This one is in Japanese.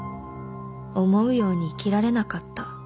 思うように生きられなかった」